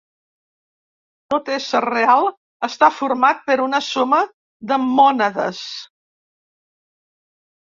Tot ésser real està format per una suma de mònades.